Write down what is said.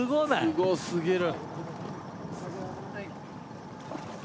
すごすぎる。